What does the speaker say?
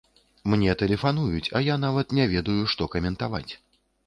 Мне тэлефануюць, а я нават не ведаю, што каментаваць.